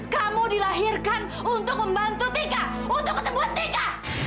kamu dilahirkan untuk membantu tika untuk ketemu tika